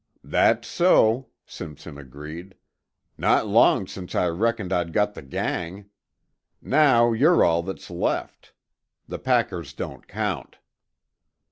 "That's so," Simpson agreed. "Not long since I reckoned I'd got the gang. Now you're all that's left. The packers don't count."